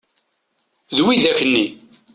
D widak-nni.